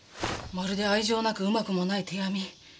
まるで愛情なくうまくもない手編み。